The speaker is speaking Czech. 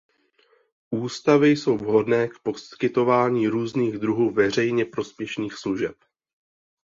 Ústavy jsou vhodné k poskytování různých druhů veřejně prospěšných služeb.